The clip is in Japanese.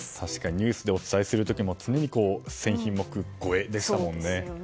ニュースでお伝えする時も常に１０００品目超えでしたもんね。